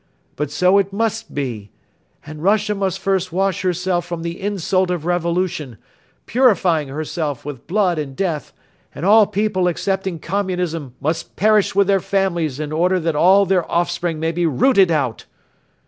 But so it must be! And Russia must first wash herself from the insult of revolution, purifying herself with blood and death; and all people accepting Communism must perish with their families in order that all their offspring may be rooted out!"